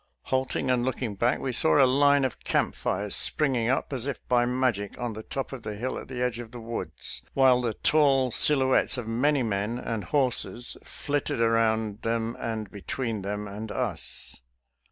Halting and looking back, we saw a line of camp fires spring up as if by magic on the top of the hill at the edge of the woods, while the tall sil houettes of many men and horses flitted around them and between them and us.